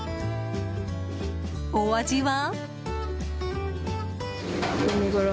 お味は？